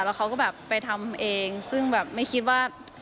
แล้วเขาก็แบบไปทำเองซึ่งแบบไม่คิดว่า